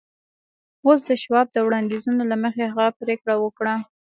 اوس د شواب د وړانديزونو له مخې هغه پرېکړه وکړه.